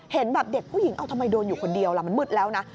เห็นแบบเด็กผู้หญิงเอาทำไมโดนอยู่คนเดียวล่ะมันมืดแล้วนะ